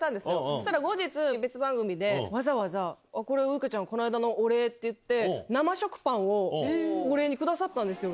そしたら後日、別番組で、わざわざ、これ、ウイカちゃん、この間のお礼って言って、生食パンをお礼にくださったんですよ。